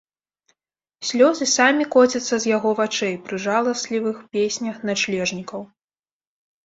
Слёзы самі коцяцца з яго вачэй пры жаласлівых песнях начлежнікаў.